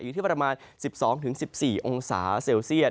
อยู่ที่ประมาณ๑๒๑๔องศาเซลเซียต